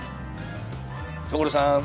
所さん！